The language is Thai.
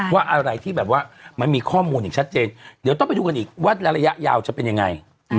ว่าอะไรที่แบบว่ามันมีข้อมูลอย่างชัดเจนเดี๋ยวต้องไปดูกันอีกว่าระยะยาวจะเป็นยังไง